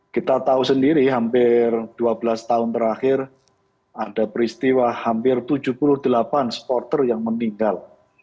kita tahu sendiri hampir dua belas tahun terakhir ada peristiwa hampir tujuh puluh delapan supporter yang meninggal